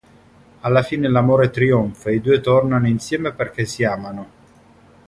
Alla fine l'amore trionfa e i due tornano insieme perché si amano.